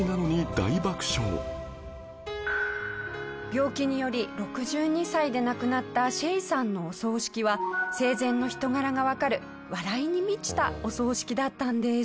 病気により６２歳で亡くなったシェイさんのお葬式は生前の人柄がわかる笑いに満ちたお葬式だったんです。